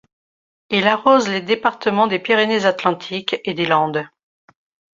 Il arrose les départements des Pyrénées-Atlantiques et des Landes.